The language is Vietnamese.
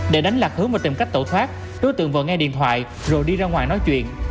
để đánh lạc hướng và tìm cách tẩu thoát đối tượng vừa nghe điện thoại rồi đi ra ngoài nói chuyện